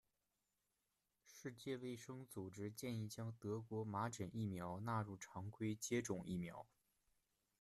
世界卫生组织建议将德国麻疹疫苗纳入常规接种疫苗。